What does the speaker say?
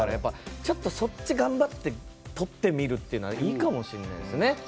ちょっと、そっち頑張ってとってみるっていうのはいいかもしれないですね。